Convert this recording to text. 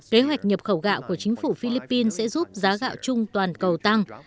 kế hoạch nhập khẩu gạo của chính phủ philippines sẽ giúp giá gạo chung toàn cầu tăng